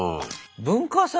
文化祭